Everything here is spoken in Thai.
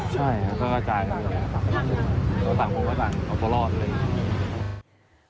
ใช่แล้วก็กระจายกันเลยต่างคนต่างต้องรอดเลย